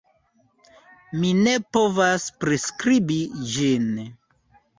Mi ne povas priskribi ĝin.